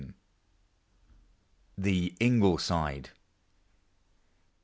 3 THE INGLE SIDE.